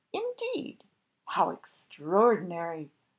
"Indeed!" "How extraordinary!"